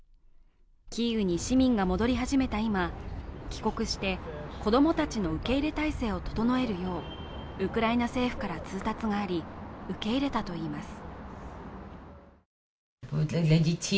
キーウに市民が戻り始めた今、帰国して子供たちの受け入れ体制を整えるようウクライナ政府から通達があり受け入れたといいます。